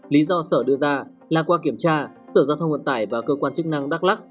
lý do sở đưa ra là qua kiểm tra sở giao thông vận tải và cơ quan chức năng đắk lắc